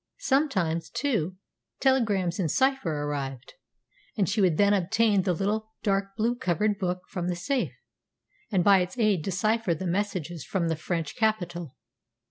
Sometimes, too, telegrams in cipher arrived, and she would then obtain the little, dark blue covered book from the safe, and by its aid decipher the messages from the French capital.